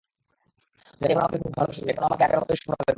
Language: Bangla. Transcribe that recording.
জানি, এখনো আমাকে খুব ভালোবাসো তুমি, এখনো আমাকে আগের মতোই স্বপ্ন দেখো।